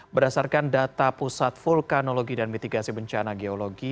berdasarkan data pusat vulkanologi dan mitigasi bencana geologi